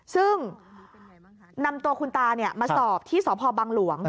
ซึ่งนำตัวคุณตามาสอบที่สพบังหลวง